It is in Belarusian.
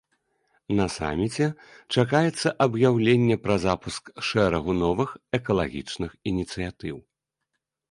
На саміце чакаецца аб'яўленне пра запуск шэрагу новых экалагічных ініцыятыў.